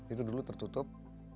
itu dulu tertutup